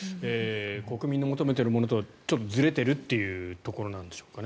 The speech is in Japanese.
国民の求めてるものとはちょっとずれてるってことなんでしょうか。